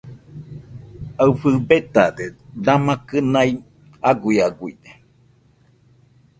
Aɨfɨ betade, dama kɨnaɨ aguiaguide.